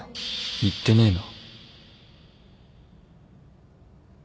言ってねえな